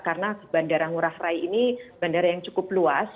karena bandara ngurah rai ini bandara yang cukup luas